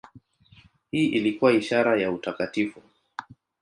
Hii ilikuwa ishara ya utakatifu.